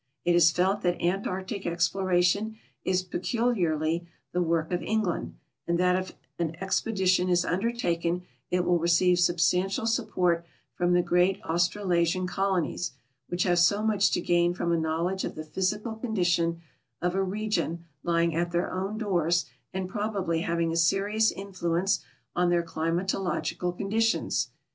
It is felt that Antarctic exploration is peculiarly the work of England, and that if an expedition is undertaken it will receive substantial support from the great Australasian colonies, which have so much to gain from a knowledge of the ])hysical condition of a region lying at their own doors and probably iiav ing a serious influence on their climatological conditions.